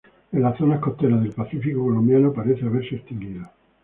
En la zonas costeras del Pacífico colombiano parece haberse extinguido.